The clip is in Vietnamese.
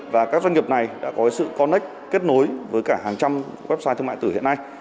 và các doanh nghiệp này đã có sự connect kết nối với cả hàng trăm website thương mại tử hiện nay